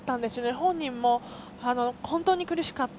本人も、本当に苦しかった。